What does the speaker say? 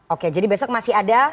oke jadi besok masih ada